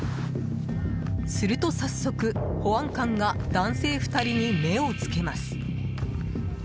すると早速、保安官が男性２人に目をつけます。